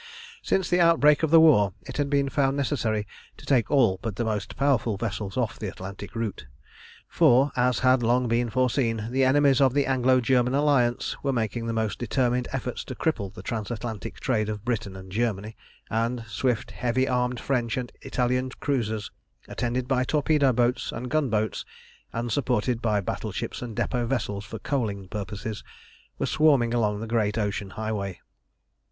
Since the outbreak of the war it had been found necessary to take all but the most powerful vessels off the Atlantic route, for, as had long been foreseen, the enemies of the Anglo German Alliance were making the most determined efforts to cripple the Transatlantic trade of Britain and Germany, and swift, heavily armed French and Italian cruisers, attended by torpedo boats and gun boats, and supported by battle ships and depôt vessels for coaling purposes, were swarming along the great ocean highway.